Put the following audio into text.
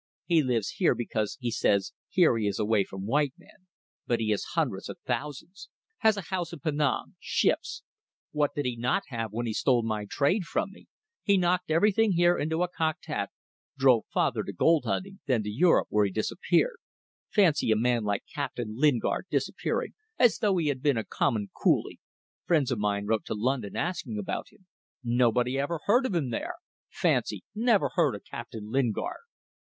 He lives here because he says here he is away from white men. But he has hundreds of thousands. Has a house in Penang. Ships. What did he not have when he stole my trade from me! He knocked everything here into a cocked hat, drove father to gold hunting then to Europe, where he disappeared. Fancy a man like Captain Lingard disappearing as though he had been a common coolie. Friends of mine wrote to London asking about him. Nobody ever heard of him there! Fancy! Never heard of Captain Lingard!"